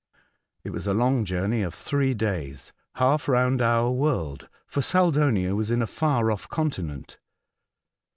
It was a long journey of three days, half round our world, for Saldonio was in a far off continent.